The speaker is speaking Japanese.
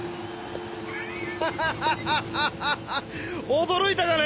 ハハハハハ驚いたかね？